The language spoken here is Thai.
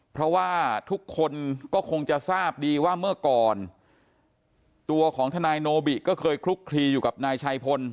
เพราะว่าทุกคนก็คงจะทราบดีว่าเมื่อก่อนตัวของทนายโนบิก็เคยคลุกคลีอยู่กับนายชัยพล